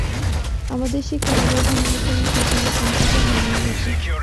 আমাদের সে খেলাঘর এবং সে খেলার সম্পর্ক ভাঙিয়া গেছে।